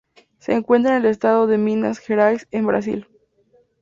Se encuentra en el estado de Minas Gerais en Brasil.